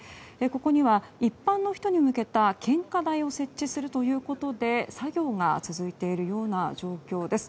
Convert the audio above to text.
ここには、一般の人に向けた献花台を設置するということで作業が続いているような状況です。